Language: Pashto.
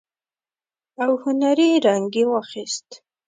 او هنري رنګ يې واخيست.